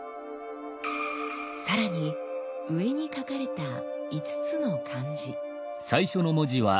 更に上に書かれた５つの漢字。